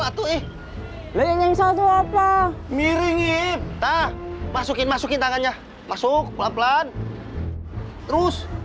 itu tenyeng sol itu apa miringnya masukin masukin tangannya masuk pelan pelan terus